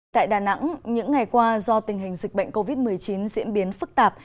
tại đà nẵng những ngày qua do tình hình dịch bệnh covid một mươi chín diễn biến phức tạp